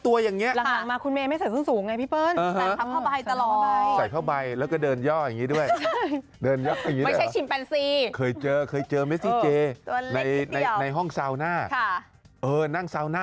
ต้องถามกูรูผู้ที่เผยผ่านการแต่งงาน